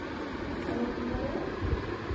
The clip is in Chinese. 他外出买东西